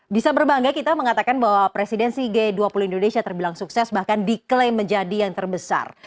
bisa berbangga kita mengatakan bahwa presidensi g dua puluh indonesia terbilang sukses bahkan diklaim menjadi yang terbesar